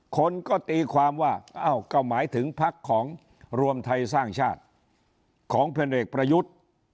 คนก็ตีความว่าอ้าวก็หมายถึงพักของรวมไทยสร้างชาติของพลเอกประยุทธ์